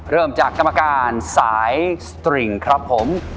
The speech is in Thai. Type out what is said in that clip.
เริ่มจากกรรมการสายสตริงครับผม